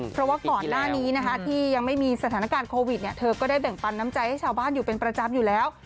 เพราะว่าก่อนหน้านี้ที่ยังไม่มีสถานการณ์โควิดเธอก็ได้แบ่งปันน้ำใจให้ชาวบ้านอยู่เป็นประจำอยู่แล้ว